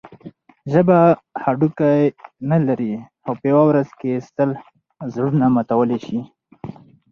ژبه هډوکی نه لري؛ خو په یوه ورځ کښي سل زړونه ماتولای سي.